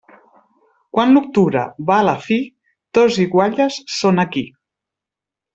Quan l'octubre va a la fi, tords i guatlles són aquí.